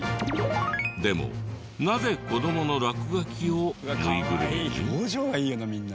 でもなぜ子どもの落書きをぬいぐるみに？